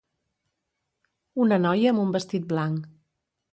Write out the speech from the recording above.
Una noia amb un vestit blanc